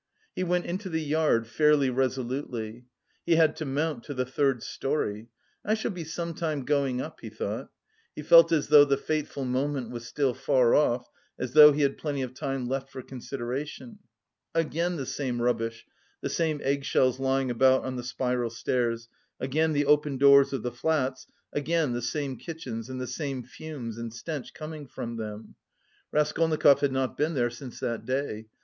He went into the yard fairly resolutely. He had to mount to the third storey. "I shall be some time going up," he thought. He felt as though the fateful moment was still far off, as though he had plenty of time left for consideration. Again the same rubbish, the same eggshells lying about on the spiral stairs, again the open doors of the flats, again the same kitchens and the same fumes and stench coming from them. Raskolnikov had not been here since that day.